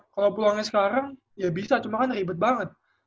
kalau peluangnya sekarang ya bisa cuma kan ribet banget